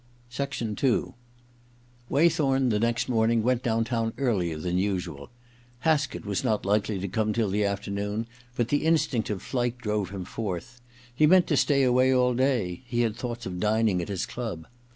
II Waythorn, the next morning, went down town earlier than usual. Haskett was not likely to come till the afternoon, but the instinct of flight drove him forth. He meant to stay away all day — ^he had thoughts of dining at his club.